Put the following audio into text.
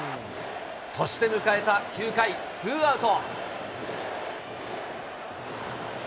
そして迎えた９回ツーアウト。